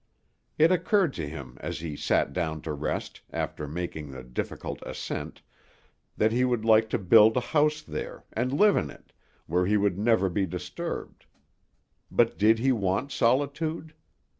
It occurred to him as he sat down to rest, after making the difficult ascent, that he would like to build a house there, and live in it, where he would never be disturbed. But did he want solitude?